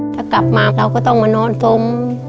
ถ้ากลับมาเราก็ต้องมานอนสม